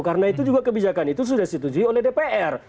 karena itu juga kebijakan itu sudah ditujuin oleh dpr